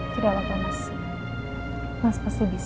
dilemahkan dulu ya sugestinya